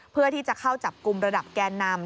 เพื่อที่จะเข้าจับกลุ่มระดับแกนนำ